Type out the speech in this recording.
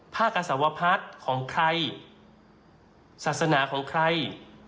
ภาคกาศวพรรดิของใครศาสนาของใคร